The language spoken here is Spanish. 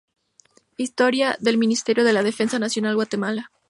Historia del Ministerio de la defensa nacional, Guatemala